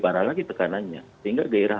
parah lagi tekanannya sehingga gairah